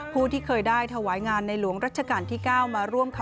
หรือว่าในดวงใจนิรันดิ์อีกด้วยค่ะ